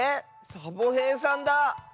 サボへいさんだ。